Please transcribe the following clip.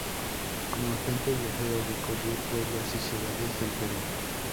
Como agente viajero recorrió pueblos y ciudades del Perú.